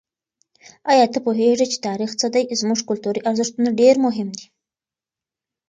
آیا ته پوهېږې چې تاریخ څه دی؟ زموږ کلتوري ارزښتونه ډېر مهم دي.